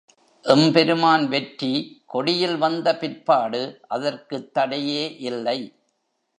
எம்பெருமான் வெற்றி கொடியில் வந்த பிற்பாடு அதற்குத் தடையே இல்லை.